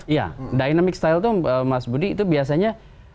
iya dynamic style itu mas budi itu biasanya